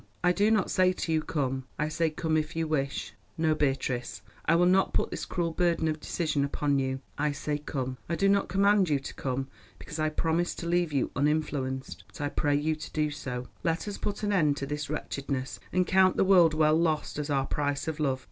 I do not say to you come, I say come if you wish. No, Beatrice, I will not put this cruel burden of decision upon you. I say come! I do not command you to come, because I promised to leave you uninfluenced. But I pray you to do so. Let us put an end to this wretchedness, and count the world well lost as our price of love.